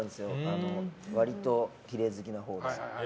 割ときれい好きなほうで。